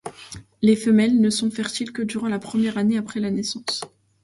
Les femelles ne sont fertiles que durant la première année après la naissance.